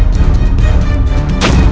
terima kasih ayah